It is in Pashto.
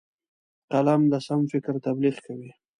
قلم د سم فکر تبلیغ کوي